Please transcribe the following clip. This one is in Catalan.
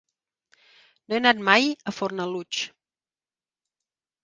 No he anat mai a Fornalutx.